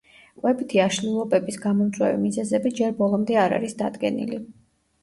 კვებითი აშლილობების გამომწვევი მიზეზები ჯერ ბოლომდე არ არის დადგენილი.